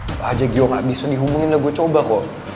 apa aja gio gak bisa dihubungin lah gue coba kok